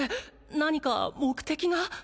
何か目的が？